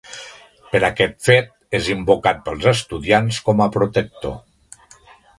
Per aquest fet és invocat pels estudiants com a protector.